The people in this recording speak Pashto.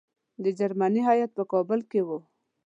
د جرمني هیات په کابل کې وو.